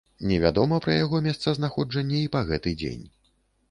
Невядома пра яго месцазнаходжанне і па гэты дзень.